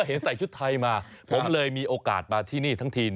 ใส่ชุดไทยมาผมเลยมีโอกาสมาที่นี่ทั้งที